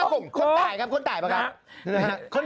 คนตายครับคนตายมากัน